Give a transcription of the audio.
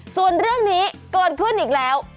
ส่วนเรื่องนี้เกิดขึ้นอีกแล้ว